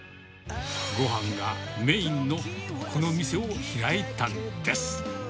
ごはんがメインのこの店を開いたんです。